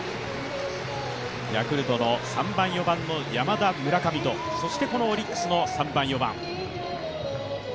ヤクルトの３番、４番の山田、村上とそしてこのオリックスの３番、４番。